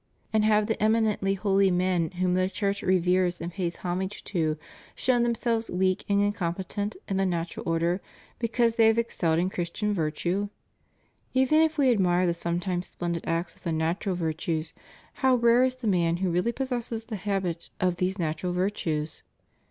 and have the eminently holy men whom the Church reveres and pays homage to, shown themselves weak and incompetent in the natural order, because they have ex celled in Christian virtue? Even if we admire the some times splendid acts of the natural virtues, how rare is the man who really possesses the habit of these natural virtues?